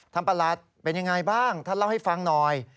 ประหลัดเป็นยังไงบ้างท่านเล่าให้ฟังหน่อย